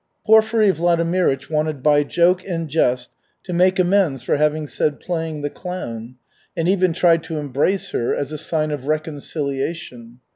Porfiry Vladimirych wanted by joke and jest to make amends for having said "playing the clown," and even tried to embrace her as a sign of reconciliation.